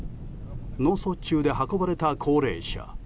脳卒中で運ばれた高齢者。